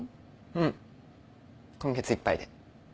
うん今月いっぱいで。